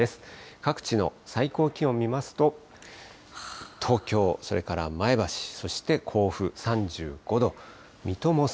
各地の最高気温見ますと、東京、それから前橋、そして甲府、３５度。